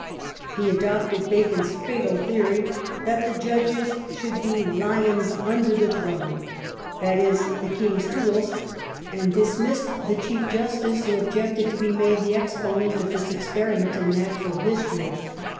He adopted Bacon's fatal theory that the judges should be "lions under the throne", i.e. the king's tools, and dis missed the Chief Justice, who objected to be made the exponent of this experiment in natural history.